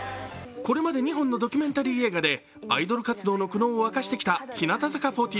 これまで２本のドキュメンタリー映画でアイドル活動の苦悩を明かしてきた日向坂４６。